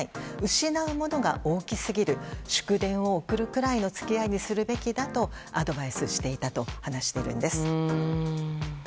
失うものが大きすぎる祝電を送るくらいの付き合いにするべきだとアドバイスしていたと話しているんです。